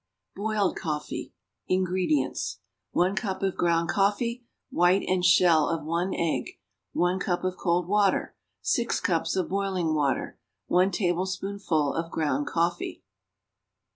=Boiled Coffee.= INGREDIENTS. 1 cup of ground coffee. White and shell of 1 egg. 1 cup of cold water. 6 cups of boiling water. 1 tablespoonful of ground coffee.